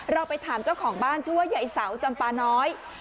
เราไปถามเจ้าของบ้านชื่อว่ายายเสาจำปาน้อย